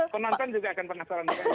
penonton juga akan penasaran